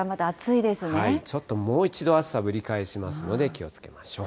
ちょっともう一度、暑さぶり返しますので、気をつけましょう。